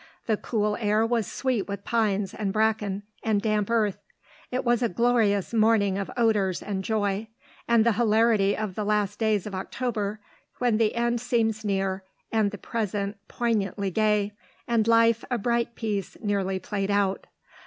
The cool air was sweet with pines and bracken and damp earth. It was a glorious morning of odours and joy, and the hilarity of the last days of October, when the end seems near and the present poignantly gay, and life a bright piece nearly played out.